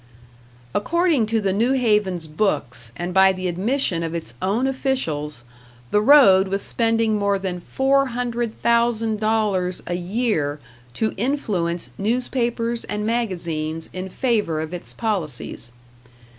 According to the New Haven's books, and by the admission of its own officials, the road was spending more than four hundred thousand dollars a year to influence newspapers and magazines in favor of its policies.